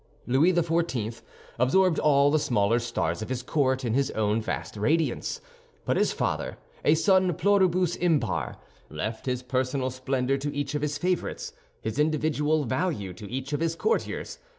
Louis XIV. absorbed all the smaller stars of his court in his own vast radiance; but his father, a sun pluribus impar, left his personal splendor to each of his favorites, his individual value to each of his courtiers.